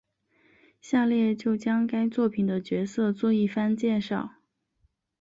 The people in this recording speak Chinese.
下列就将该作品的角色做一番介绍。